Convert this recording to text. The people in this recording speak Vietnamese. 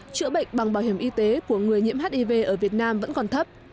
chữa bệnh bằng bảo hiểm y tế của người nhiễm hiv ở việt nam vẫn còn thấp